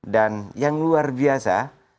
dan yang luar biasa